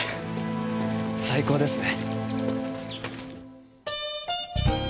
最高ですね。